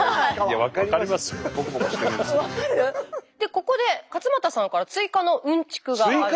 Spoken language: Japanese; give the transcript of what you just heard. ここで勝俣さんから追加のうんちくが。